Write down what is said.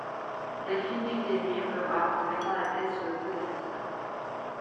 Delphine fut émue et pleura en mettant la tête sur le cou de sa sœur.